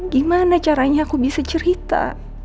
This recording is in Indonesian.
gimana caranya aku bisa cerita